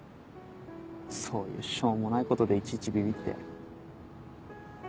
そういうしょうもないことでいちいちビビって。